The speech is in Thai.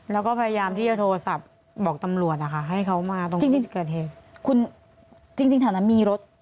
แล้วก็พยายามที่จะโทรศัพท์บอกตำรวจนะคะให้เขามาตรงที่เกิดเหตุคุณจริงจริงแถวนั้นมีรถ